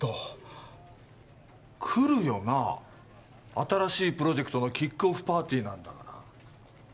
新しいプロジェクトのキックオフパーティーなんだから。